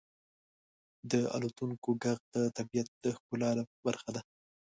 • د الوتونکو ږغ د طبیعت د ښکلا برخه ده.